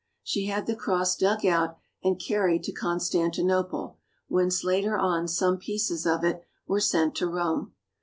She had the cross dug out and carried to Constantinople, whence later on some pieces of it were sent to Rome.